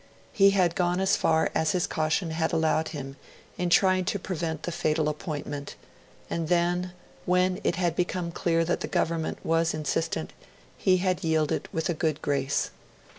He had gone as far as his caution had allowed him in trying to prevent the fatal appointment; and then, when it had become clear that the Government was insistent, he had yielded with a good grace.